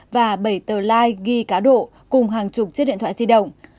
và bảy tờ ligh ghi cá độ cùng hàng chục chiếc điện thoại di động